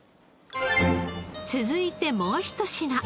続いてもうひと品。